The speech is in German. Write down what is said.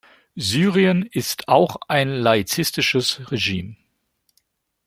Syrien ist auch ein laizistisches Regime.